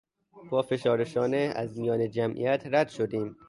با فشار شانه از میان جمعیت رد شدیم.